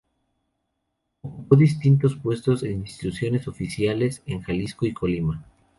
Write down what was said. Ocupó distintos puestos en instituciones oficiales en Jalisco y Colima.